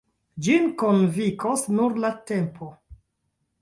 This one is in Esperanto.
Ĝin konvinkos nur la tempo.